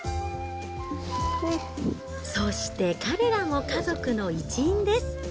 そして彼らも家族の一員です。